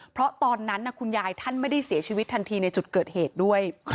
เพราะตอนนั้นคุณยายท่านไม่ได้เสียชีวิตทันทีในจุดเกิดเหตุด้วย